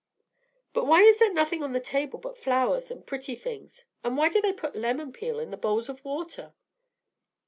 "But why is there nothing on the table but flowers and pretty little things? And why do they put lemon peel in the bowls of water?"